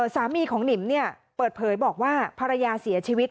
สามีของหนิมเปิดเผยบอกว่าภรรยาเสียชีวิต